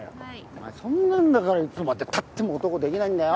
お前そんなんだからいつまでたっても男出来ないんだよ？